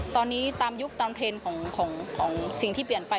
ตอนนี้ตามยุคตามเทรนด์ของสิ่งที่เปลี่ยนไป